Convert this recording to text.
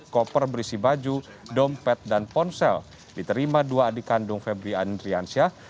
koper berisi baju dompet dan ponsel diterima dua adik kandung febri andriansyah